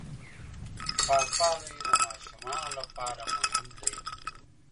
پاکوالی د ماشومانو لپاره مهم دی.